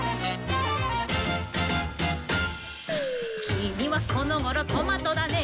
「きみはこのごろトマトだね」